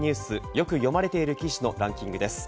よく読まれている記事のランキングです。